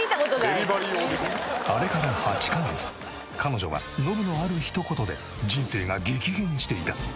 あれから８カ月彼女はノブのある一言で人生が激変していた。